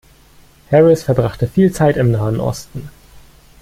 Harris verbrachte viel Zeit im Nahen Osten.